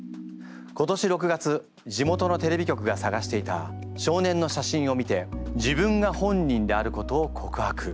今年６月地元のテレビ局がさがしていた少年の写真を見て自分が本人であることを告白。